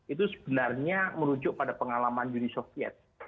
itu sebenarnya merujuk pada pengalaman yudhoy